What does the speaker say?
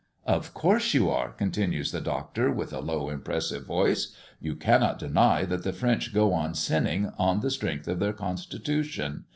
"Of course you are," continues the Doctor, with a low impressive voice. "You cannot deny that the French go on sinning on the strength of their constitution!